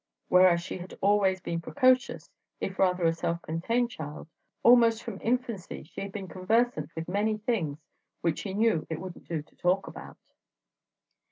Whereas she had always been precocious, if rather a self contained child. Almost from infancy she had been conversant with many things which she knew it wouldn't do to talk about.